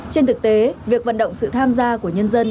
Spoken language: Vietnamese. trên thực tế việc vận động sự tham gia của nhân dân